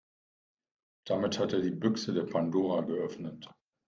Damit hat er die Büchse der Pandora geöffnet.